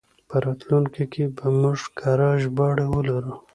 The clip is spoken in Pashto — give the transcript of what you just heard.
په راتلونکي کې به موږ کره ژباړې ولرو.